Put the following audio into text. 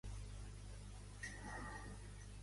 Què han expressat els comuns en un escrit?